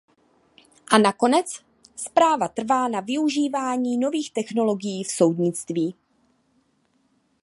A nakonec, zpráva trvá na využívání nových technologií v soudnictví.